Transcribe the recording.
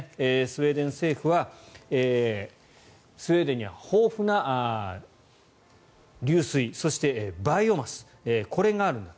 スウェーデン政府はスウェーデンには豊富な流水そしてバイオマスこれがあるんだ。